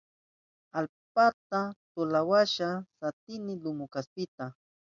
Allpata tulashkayniwasha satini lumu kaspita.